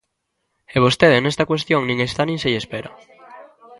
E vostede nesta cuestión nin está nin se lle espera.